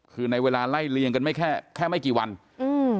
คือในเวลาไล่เลียงกันไม่แค่แค่ไม่กี่วันอืม